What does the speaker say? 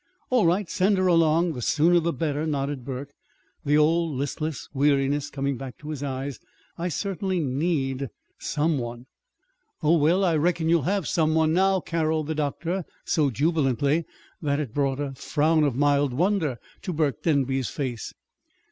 "All right. Send her along. The sooner the better," nodded Burke, the old listless weariness coming back to his eyes. "I certainly need some one." "Oh, well, I reckon you'll have some one, now," caroled the doctor, so jubilantly that it brought a frown of mild wonder to Burke Denby's face.